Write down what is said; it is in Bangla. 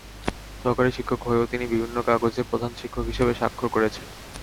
সহকারী শিক্ষক হয়েও তিনি বিভিন্ন কাগজে প্রধান শিক্ষক হিসেবে স্বাক্ষর করছেন।